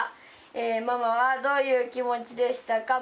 ママはどういう気持ちでしたか？